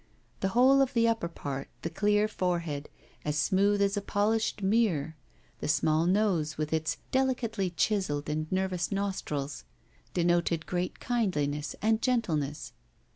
The whole of the upper part, the clear forehead, as smooth as a polished mirror, the small nose, with its delicately chiselled and nervous nostrils, denoted great kindliness and gentleness.